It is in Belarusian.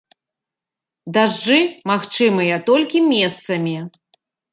Дажджы магчымыя толькі месцамі.